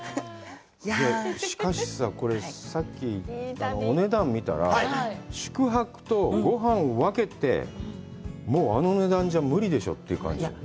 しかしさ、これさっき、お値段を見たら、宿泊とごはんを分けてももうあの値段じゃ無理でしょうという感じ。